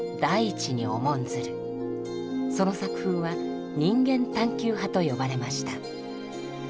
その作風は「人間探求派」と呼ばれました。